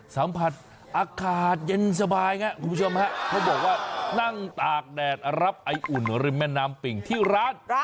สัมผัสอากาศเย็นสบายครับคุณผู้ชมฮะเขาบอกว่านั่งตากแดดรับไออุ่นริมแม่น้ำปิ่งที่ร้าน